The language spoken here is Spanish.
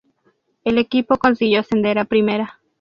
El equipo consiguió ascender a Primera.